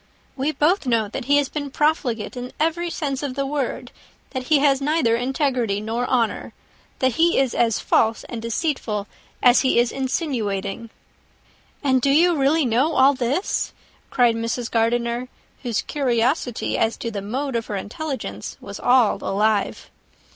We both know that he has been profligate in every sense of the word; that he has neither integrity nor honour; that he is as false and deceitful as he is insinuating." "And do you really know all this?" cried Mrs. Gardiner, whose curiosity as to the mode of her intelligence was all alive.